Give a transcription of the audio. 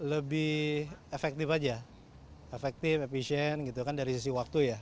lebih efektif aja efektif efisien gitu kan dari sisi waktu ya